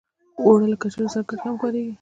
اوړه له کچالو سره ګډ هم کارېږي